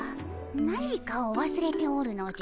何かをわすれておるのじゃ。